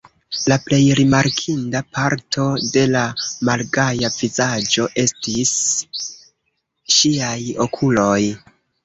La plej rimarkinda parto de la malgaja vizaĝo estis ŝiaj okuloj.